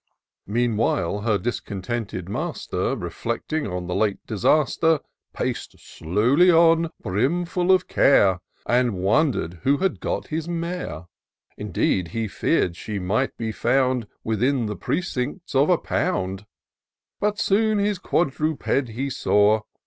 Meanwhile, her discontented master, Reflecting on the late disaster, Pac'd slowly on, brimful of care. And wpnder'd who had got his mare. Indeed, he fear'd she might be found Within the precincts of a pound ; But soon his quadruped he saw.